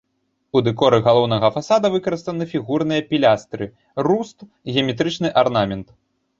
У дэкоры галоўнага фасада выкарыстаны фігурныя пілястры, руст, геаметрычны арнамент.